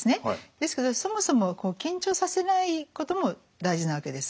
ですけどそもそも緊張させないことも大事なわけです。